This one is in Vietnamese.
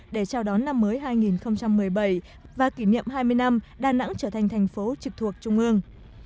để chào đón năm mới hai nghìn một mươi bảy và kỷ niệm hai mươi năm đà nẵng trở thành thành phố trực thuộc trung ương